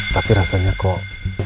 tapi rasanya kok